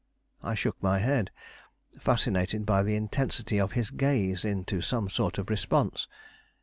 I shook my head, fascinated by the intensity of his gaze into some sort of response.